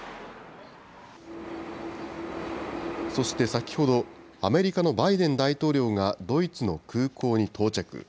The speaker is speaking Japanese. そして先ほど、アメリカのバイデン大統領がドイツの空港に到着。